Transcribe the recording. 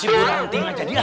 siburanting aja dia